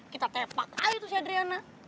kita tepak ayo tuh si adriana